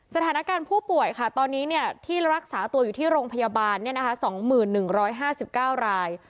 สถานการณ์ผู้ป่วยค่ะตอนนี้ที่รักษาตัวอยู่ที่โรงพยาบาล๒๑๕๙ราย